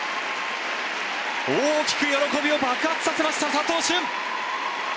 大きく喜びを爆発させました佐藤駿。